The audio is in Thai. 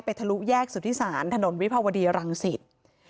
ทะลุแยกสุธิศาลถนนวิภาวดีรังสิต